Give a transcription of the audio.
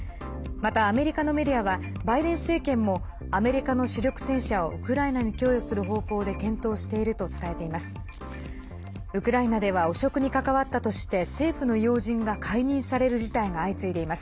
また、アメリカのメディアはバイデン政権もアメリカの主力戦車をウクライナに供与する方向で検討していると伝えています。